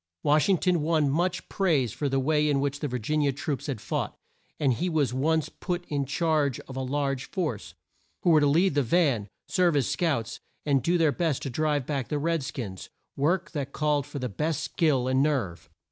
Wash ing ton won much praise for the way in which the Vir gin i a troops had fought, and he was at once put in charge of a large force, who were to lead the van, serve as scouts, and do their best to drive back the red skins work that called for the best skill and nerve.